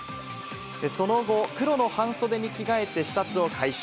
その後、黒の半袖に着替えて視察を開始。